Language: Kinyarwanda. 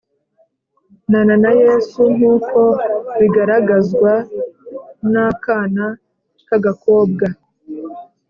na na Yesu nk uko bigaragazwa n akana k agakobwa